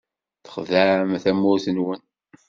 Txedɛem tamurt-nwen.